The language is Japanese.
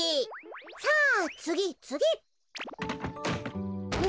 さあつぎつぎ！